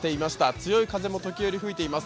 強い風も時折、吹いています。